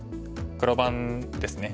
黒番ですね。